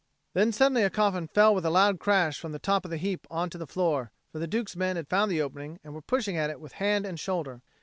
Then suddenly a coffin fell with a loud crash from the top of the heap on to the floor; for the Duke's men had found the opening and were pushing at it with hand and shoulder.